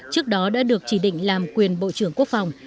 trước đó đã được chỉ định làm quyền bộ trưởng quốc phòng